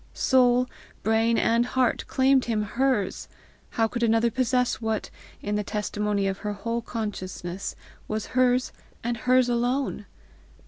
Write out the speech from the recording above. Soul, brain, and heart, claimed him hers! How could another possess what, in the testimony of her whole consciousness, was hers and hers alone!